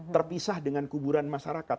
terpisah dengan kuburan masyarakat